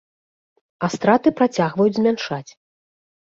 А страты працягваюць змяншаць.